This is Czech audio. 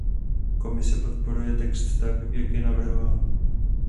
Komise podporuje text tak, jak je navrhován.